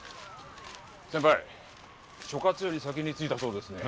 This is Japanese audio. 先輩所轄より先に着いたそうですね。